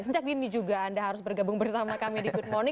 sejak dini juga anda harus bergabung bersama kami di good morning